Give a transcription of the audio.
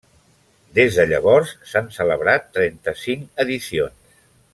Des de llavors s'han celebrat trenta-cinc edicions.